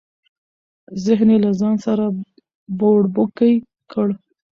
ذهن یې له ځانه سره بوړبوکۍ کړ.